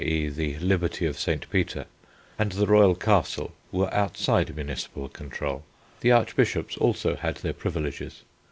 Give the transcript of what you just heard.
e._ the Liberty of St. Peter, and the Royal Castle were outside municipal control. The Archbishops also had their privileges.